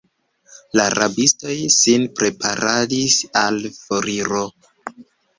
La rabistoj sin preparadis al foriro.